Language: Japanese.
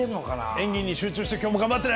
演技に集中して今日も頑張ってね。